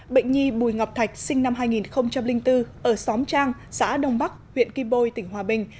bệnh nhi bùi ngọc thạch sinh năm hai nghìn bốn ở xóm trang xã đông bắc huyện kim bôi tỉnh hòa bình